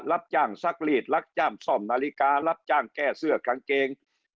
รับจ้างซักรีดลักจ้ามซ่อมนาฬิการับจ้างแก้เสื้อกางเกง